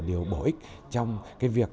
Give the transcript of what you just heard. điều bổ ích trong cái việc